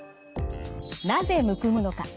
なぜむくむのか。